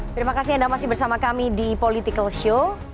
terima kasih anda masih bersama kami di politikalshow